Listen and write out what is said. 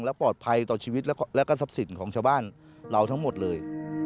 และปลอดภัยต่อชีวิตและก็ทรัพย์สินของชาวบ้านเราทั้งหมดเลย